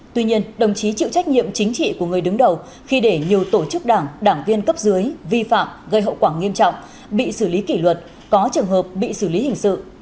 tuy nhiên đồng chí chịu trách nhiệm chính trị của người đứng đầu khi để nhiều tổ chức đảng đảng viên cấp dưới vi phạm gây hậu quả nghiêm trọng bị xử lý kỷ luật có trường hợp bị xử lý hình sự